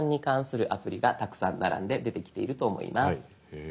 へえ。